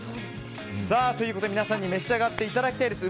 ということで皆さんに召し上がっていただきたいです。